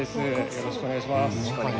よろしくお願いします。